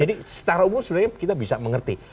nah itu jadi secara umum sebenarnya kita bisa mengerti